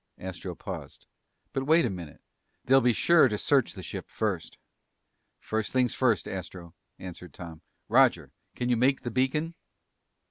Astro paused. "But wait a minute. They'll be sure to search the ship first!" "First things first, Astro," answered Tom. "Roger, can you make the beacon?"